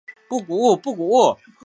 中国清朝政治人物。